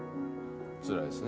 つらいですね。